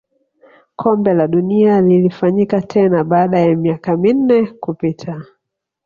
kombe la dunia lilifanyika tena baada ya miaka minne kupita